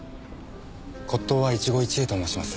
骨董は一期一会と申します。